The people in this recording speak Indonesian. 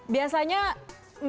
biasanya mencari makanan